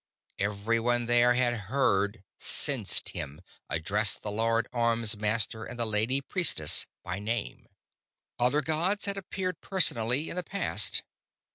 Everyone there had heard sensed him address the Lord Armsmaster and the Lady Priestess by name. Other gods had appeared personally in the past